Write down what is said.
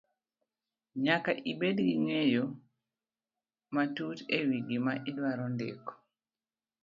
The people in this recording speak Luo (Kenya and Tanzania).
nyaka ibed gi ng'eyo matut e wi gima idwaro ndiko.